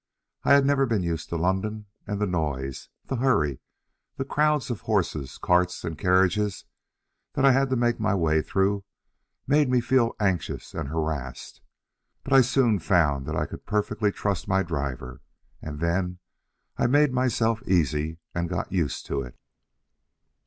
I had never been used to London, and the noise, the hurry, the crowds of horses, carts, and carriages, that I had to make my way through, made me feel anxious and harassed; but I soon found that I could perfectly trust my driver, and then I made myself easy, and got used to it.